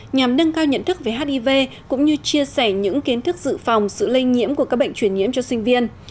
nhằm nâng cao nhận thức về hiv cũng như chia sẻ những kiến thức dự phòng sự lây nhiễm của các bệnh truyền nhiễm cho sinh viên